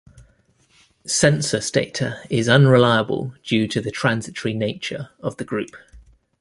Census data is unreliable due to the transitory nature of the group.